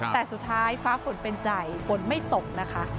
แต่สุดท้ายฟ้าฝนเป็นใจฝนไม่ตกนะคะ